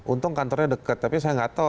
untung kantornya deket tapi saya nggak tahu